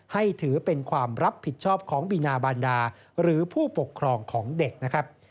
ถือเป็นความรับผิดชอบของบีนาบานดาหรือผู้ปกครองของเด็กนะครับ